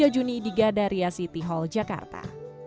tiga juni di gadaria city hall jakarta